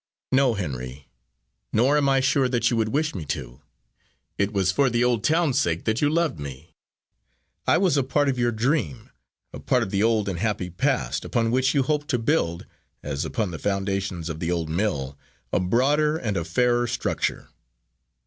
"No, Henry, nor am I sure that you would wish me to. It was for the old town's sake that you loved me. I was a part of your dream a part of the old and happy past, upon which you hoped to build, as upon the foundations of the old mill, a broader and a fairer structure.